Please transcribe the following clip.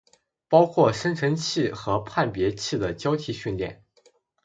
包括生成器和判别器的交替训练